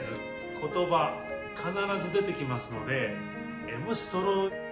言葉必ず出てきますのでもしその。